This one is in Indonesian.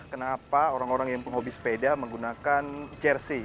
kenapa orang orang yang penghobi sepeda menggunakan jersey